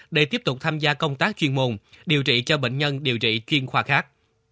để tiếp tục tham gia công tác chuyên môn điều trị cho bệnh nhân điều trị chuyên khoa khác